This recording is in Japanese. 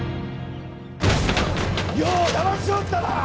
余をだましおったな！